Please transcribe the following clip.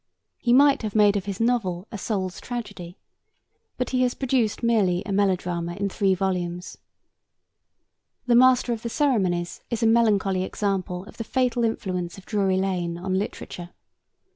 He might have made of his novel 'A Soul's Tragedy,' but he has produced merely a melodrama in three volumes. The Master of the Ceremonies is a melancholy example of the fatal influence of Drury Lane on literature.